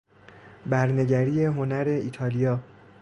برنگری هنر ایتالیا